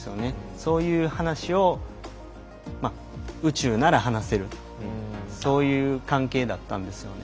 そういう話を宇宙なら話せるそういう関係だったんですよね。